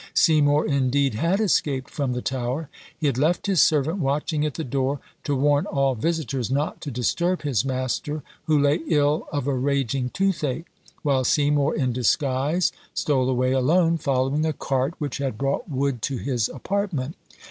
Seymour indeed had escaped from the Tower; he had left his servant watching at the door, to warn all visitors not to disturb his master, who lay ill of a raging toothache, while Seymour in disguise stole away alone, following a cart which had brought wood to his apartment.